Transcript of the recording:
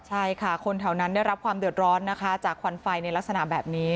ใช่ค่ะคนแถวนั้นได้รับความเดือดร้อนนะคะจากควันไฟในลักษณะแบบนี้